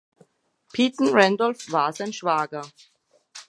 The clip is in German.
Peyton Randolph war sein Schwager.